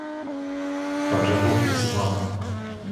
Та вже бог із вами.